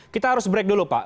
kita harus break dulu pak